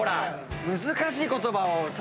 難しい言葉をさ